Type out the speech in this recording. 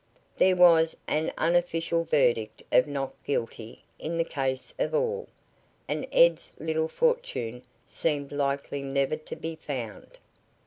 There was an unofficial verdict of "not guilty" in the case of all, and Ed's little fortune seemed likely never to be found.